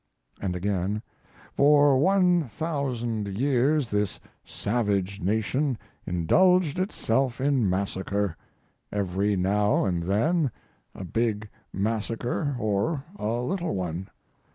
And again: "For 1,000 years this savage nation indulged itself in massacre; every now and then a big massacre or a little one.